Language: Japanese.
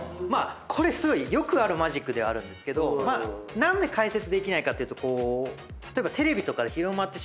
これすごいよくあるマジックではあるんですけど何で解説できないかというと例えば。